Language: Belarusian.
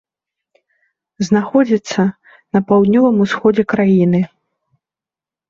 Знаходзіцца на паўднёвым усходзе краіны.